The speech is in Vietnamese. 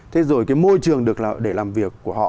thế rồi cái môi trường để làm việc của họ